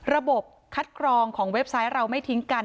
ระบบคัดกรองของเว็บไซต์เราไม่ทิ้งกัน